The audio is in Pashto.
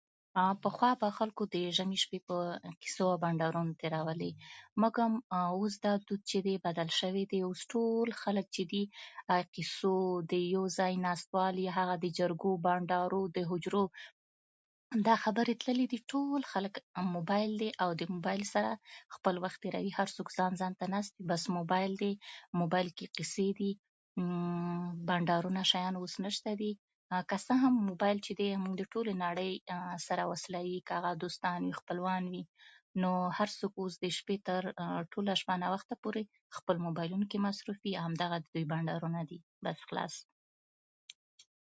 پخوا په خلکو د ژمي شپې په کیسو او بنډارونو تیرولې مګر اوس دا دود چې دی بدل شوی دی اوس ټول خلک چې دي کیسو د یو ځای ناستو الی هغه د جرګو بندارو او حجرو دا خبرې تللي دي ټول خلک موبایل دی او د موبایل سره خپل وخت تيروي هر څوک ځان ځان ته ناست بس موبایل دی موبایل کې کیسې دي مممممممم بنډارونه شیان اوس نشته دي که څه هم موبایل چې دی موږ د ټولې نړۍ سره وصلوي که هغه دوستان وي خپلوان وي نو هر څوک اوس د شپې تر ټوله شپه ناوخته پورې خپل موبایلونو کې مصروف همدا بندارونه دي بس خلاص